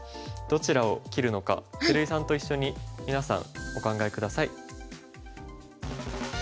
どちらを切るのか照井さんと一緒に皆さんお考え下さい。